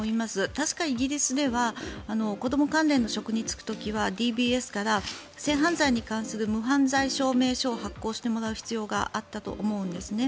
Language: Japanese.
確かイギリスでは子ども関連の職に就く時はＤＢＳから性犯罪に関する無犯罪証明書を発行してもらう必要があったと思うんですね。